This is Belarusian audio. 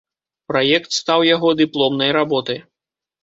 Праект стаў яго дыпломнай работай.